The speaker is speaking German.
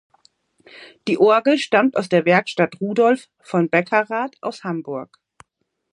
Die Orgel stammt aus der Werkstatt Rudolf von Beckerath aus Hamburg.